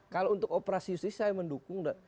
kalau untuk operasi justi saya mendukung